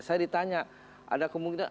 saya ditanya ada kemungkinan